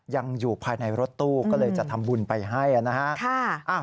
ยังอยู่ภายในรถตู้ก็เลยจะทำบุญไปให้นะฮะ